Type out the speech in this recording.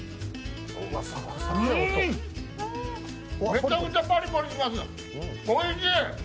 めちゃくちゃパリパリします、おいしい！